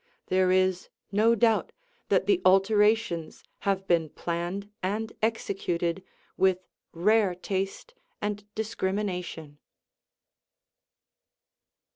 There is no doubt that the alterations have been planned and executed with rare taste and discrimination.